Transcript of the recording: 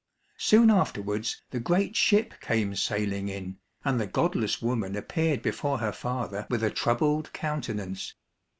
Soon afterwards the great ship came sailing in, and the godless woman appeared before her father with a troubled countenance.